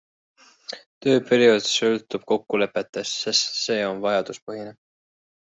Töö periood sõltub kokkuleppest, sest see on vajaduspõhine.